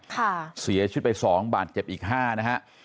เสียชีวิตไปสองบาทเจ็บอีกห้านะฮะ